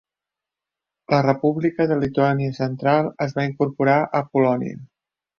La República de Lituània Central es va incorporar a Polònia.